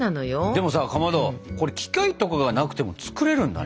でもさかまどこれ機械とかがなくても作れるんだね。